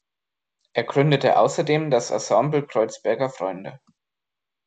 Er gründete außerdem das "Ensemble Kreuzberger Freunde".